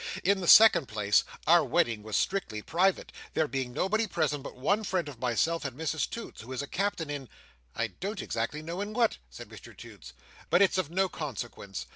In the second place, our wedding was strictly private; there being nobody present but one friend of myself and Mrs Toots's, who is a Captain in—I don't exactly know in what," said Mr Toots, "but it's of no consequence.